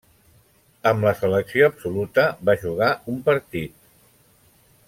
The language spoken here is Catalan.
Amb la selecció absoluta va jugar un partit.